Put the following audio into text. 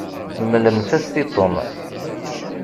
Mmlemt-as-t i Tom.